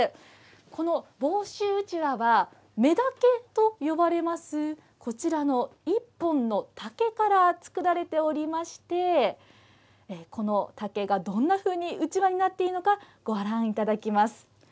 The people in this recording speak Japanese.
この房州うちわは、女竹と呼ばれます、こちらの１本の竹から作られておりまして、この竹がどんなふうにうちわになっているのか、ご覧いただきます。